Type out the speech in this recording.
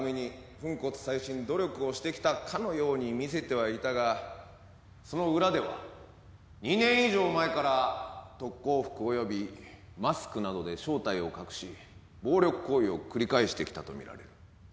粉骨砕身努力をしてきたかのように見せてはいたがその裏では２年以上前から特攻服およびマスクなどで正体を隠し暴力行為を繰り返してきたとみられる。